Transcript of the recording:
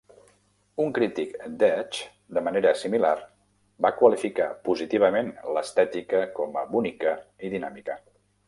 Un crític d'"Edge", de manera similar, va qualificar positivament l'estètica com a "bonica" i dinàmica.